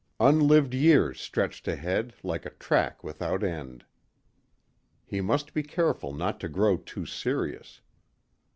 Unlived years stretched ahead, like a track without end. He must be careful not to grow too serious.